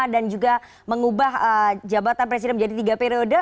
dan juga mengubah jabatan presiden menjadi tiga periode